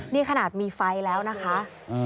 นี่ขนาดมีไฟแล้วนะคะ